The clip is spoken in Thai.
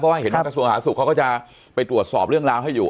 เพราะว่าเห็นว่ากระทรวงสาธารสุขเขาก็จะไปตรวจสอบเรื่องราวให้อยู่